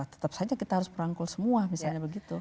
tetap saja kita harus merangkul semua misalnya begitu